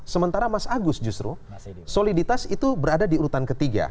sementara mas agus justru soliditas itu berada di urutan ketiga